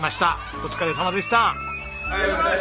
お疲れさまでした。